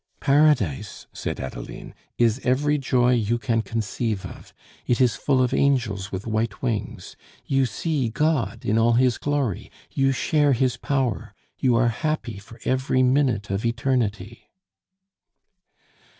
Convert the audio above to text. "Paradise!" said Adeline, "is every joy you can conceive of. It is full of angels with white wings. You see God in all His glory, you share His power, you are happy for every minute of eternity!"